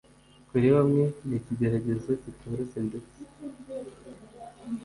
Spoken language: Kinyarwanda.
Kuri bamwe, ni ikigeragezo kitoroshye ndetse